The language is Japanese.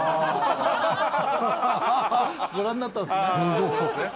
ご覧になったんですね。